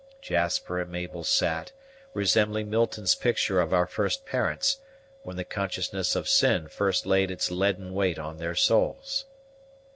Jasper and Mabel sat, resembling Milton's picture of our first parents, when the consciousness of sin first laid its leaden weight on their souls.